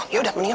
iya jepet dan